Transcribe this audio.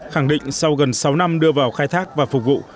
khẳng định sau gần sáu năm đưa vào khai thác và phục vụ